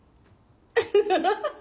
ハハハハハ。